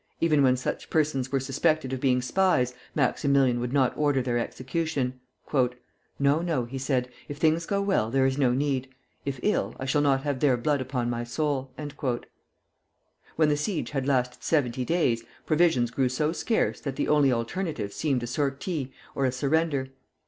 Even when such persons were suspected of being spies, Maximilian would not order their execution. "No, no," he said; "if things go well, there is no need; if ill, I shall not have their blood upon my soul." When the siege had lasted seventy days, provisions grew so scarce that the only alternatives seemed a sortie or a surrender.